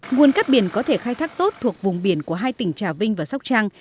nguồn cắt biển có thể khai thác tốt thuộc vùng biển của hai tỉnh trà vinh và sóc trăng